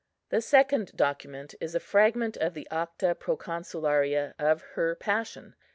The second document is a fragment of the Acta Proconsularia of her Passion.